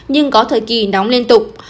nhưng có thời kỳ nóng liên tục